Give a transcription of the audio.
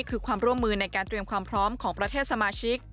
คือความร่วมมือในการเตรียมความพร้อมของประเทศสมาชิก